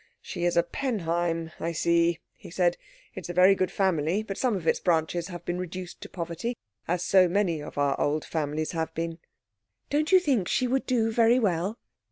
"She is a Penheim, I see," he said. "It is a very good family, but some of its branches have been reduced to poverty, as so many of our old families have been." "Don't you think she would do very well?"